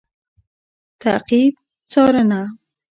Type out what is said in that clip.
تعقیب √څارنه